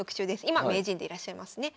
今名人でいらっしゃいますね。